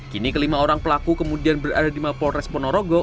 kini kelima orang pelaku kemudian berada di mapolres ponorogo